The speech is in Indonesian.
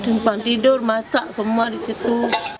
tempat tidur masak semua di situ